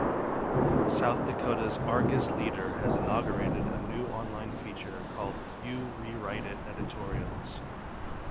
South Dakota's "Argus Leader" has inaugurated a new online feature called You Re-Write-It Editorials.